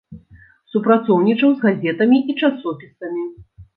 Супрацоўнічаў з газетамі і часопісамі.